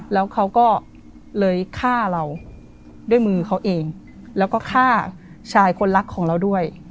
แล้วเขาก็เลยฆ่าเราด้วยมือเขาเองแล้วก็ฆ่าชายคนรักของเราด้วย